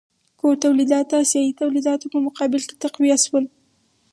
کور تولیدات د اسیايي تولیداتو په مقابل کې تقویه شول.